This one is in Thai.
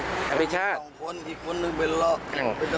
เราเป็น๒คนอีกคนนึงเป็นละ